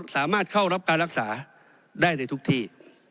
สามารถเข้ารับการรักษาได้ในทุกที่